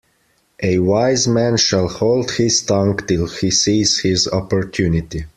A wise man shall hold his tongue till he sees his opportunity.